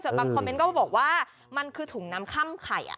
ส่วนบางคอมเมนต์ก็บอกว่ามันคือถุงน้ำค่ำไข่